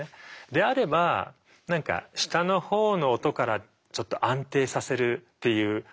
であれば何か下のほうの音からちょっと安定させるっていう。